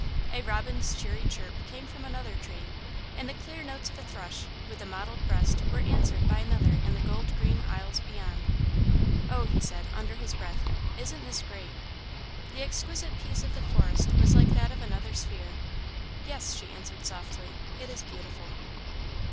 A robin's cheery chirp came from another tree, and the clear notes of a thrush, with a mottled breast, were answered by another in the gold green aisles beyond. "Oh," he said, under his breath, "isn't this great!" The exquisite peace of the forest was like that of another sphere. "Yes," she answered, softly, "it is beautiful."